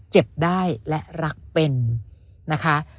เจ็บได้และรักเป็นนะคะ